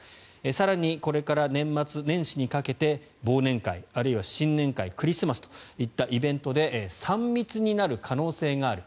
更にこれから年末年始にかけて忘年会あるいは新年会クリスマスといったイベントで３密になる可能性がある。